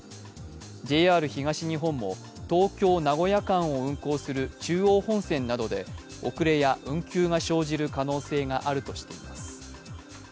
ＪＲ東日本も東京−名古屋間を運行する中央本線などで、遅れや運休が生じる可能性があるとしています。